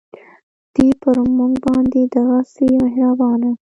دی پر مونږ باندې دغهسې مهربانه